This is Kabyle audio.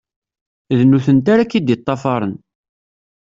D nutenti ara ak-id-ṭṭafern.